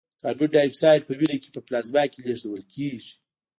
کاربن دای اکساید په وینه کې په پلازما کې لېږدول کېږي.